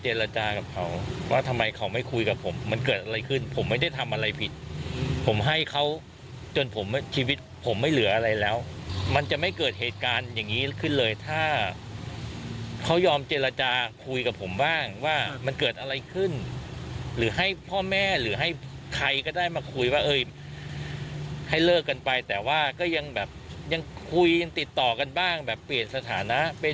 จากับเขาว่าทำไมเขาไม่คุยกับผมมันเกิดอะไรขึ้นผมไม่ได้ทำอะไรผิดผมให้เขาจนผมชีวิตผมไม่เหลืออะไรแล้วมันจะไม่เกิดเหตุการณ์อย่างนี้ขึ้นเลยถ้าเขายอมเจรจาคุยกับผมบ้างว่ามันเกิดอะไรขึ้นหรือให้พ่อแม่หรือให้ใครก็ได้มาคุยว่าเอ้ยให้เลิกกันไปแต่ว่าก็ยังแบบยังคุยกันติดต่อกันบ้างแบบเปลี่ยนสถานะเป็น